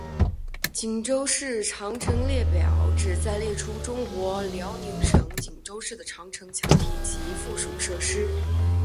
锦州市长城列表旨在列出中国辽宁省锦州市的长城墙体及附属设施。